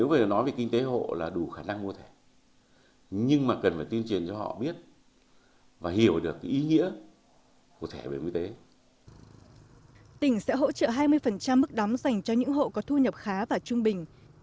trong nghị quyết ba mươi sáu của hội đồng nhân dân tỉnh sẽ hỗ trợ hai mươi mức đóng dành cho những hộ có thu nhập khá và trung bình